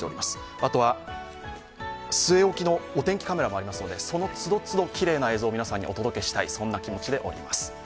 あとは据え置きのお天気カメラもありますので、その都度都度、きれいな映像を皆さんにお届けしたい、そんな気持ちでおります。